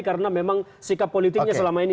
karena memang sikap politiknya selama ini